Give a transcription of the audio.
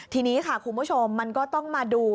ทีนี้ค่ะคุณผู้ชมมันก็ต้องมาดู